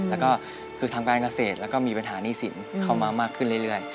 แล้วก็คือทำการเกษตรแล้วก็มีปัญหาหนี้สินเข้ามามากขึ้นเรื่อย